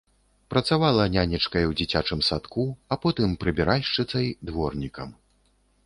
Працавала нянечкай у дзіцячым садку, а потым прыбіральшчыцай, дворнікам.